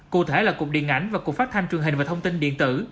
cụ thể là cuộc điện ảnh và cuộc phát thanh truyền hình và thông tin điện tử